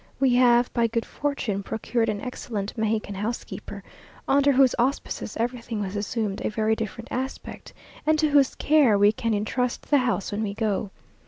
We have, by good fortune, procured an excellent Mexican housekeeper, under whose auspices everything has assumed a very different aspect, and to whose care we can intrust the house when we go.